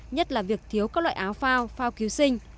nhất là việc thiếu các loại áo phao phao cứu sinh